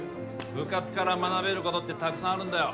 部活から学べることってたくさんあるんだよ